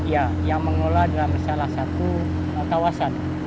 ya yang mengelola dalam salah satu kawasan